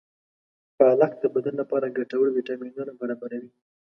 پالک د بدن لپاره ګټور ویټامینونه برابروي.